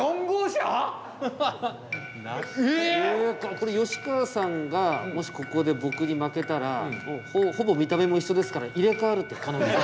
これ吉川さんがもしここで僕に負けたらほぼ見た目も一緒ですから入れ替わるって可能性。